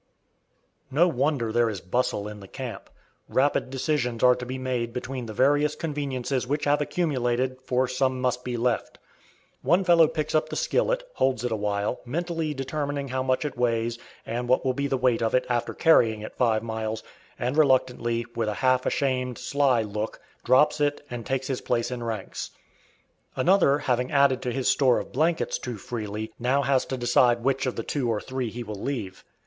No wonder there is bustle in the camp. Rapid decisions are to be made between the various conveniences which have accumulated, for some must be left. One fellow picks up the skillet, holds it awhile, mentally determining how much it weighs, and what will be the weight of it after carrying it five miles, and reluctantly, with a half ashamed, sly look, drops it and takes his place in ranks. Another having added to his store of blankets too freely, now has to decide which of the two or three he will leave.